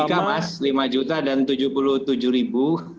logika mas lima juta dan tujuh puluh tujuh ribu